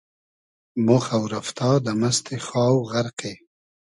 مۉ خۆ رئفتا دۂ مئستی خاو غئرقی